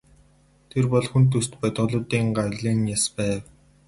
Тэр бол хүн төст бодгалиудын гавлын яс байв.